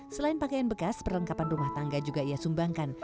selain pakaian bekas perlengkapan rumah tangga juga ia sumbangkan